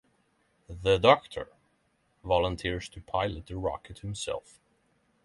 The Doctor volunteers to pilot the rocket himself.